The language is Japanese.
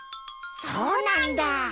そうなんだ。